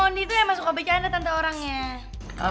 mondi tuh emang suka bacaan tante orangnya